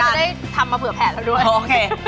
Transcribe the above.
อเรนนี่อยากทำมาเผื่อแผลดเราด้วยโอเค